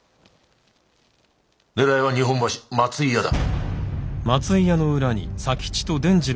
狙いは日本橋松井屋だ。